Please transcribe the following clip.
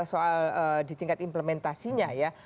soal di tingkat implementasinya ya